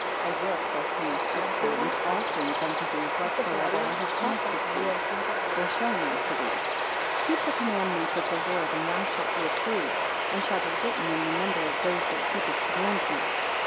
I will, says he, expound, all things unto thee whatsoever I have talked with thee, or shown unto thee. 25 Keep the commandments of the Lord and thou shalt be approved, and shall be written in the number of those that keep his commandments.